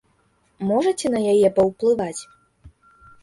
Можаце на яе паўплываць?